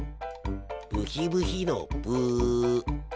ブヒブヒのブ。